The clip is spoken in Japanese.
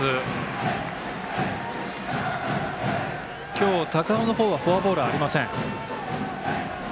今日、高尾のほうはフォアボールありません。